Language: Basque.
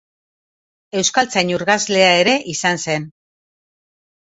Euskaltzain urgazlea ere izan zen.